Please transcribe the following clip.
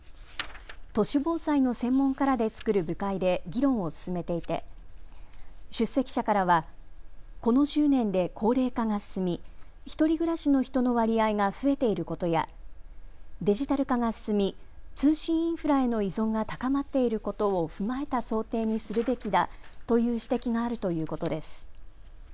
都市防災の専門家らで作る部会で議論を進めていて出席者からはこの１０年で高齢化が進み１人暮らしの人の割合が増えていることやデジタル化が進み通信インフラへの依存が高まっていることを踏まえた想定にするべきだという指摘があるということです。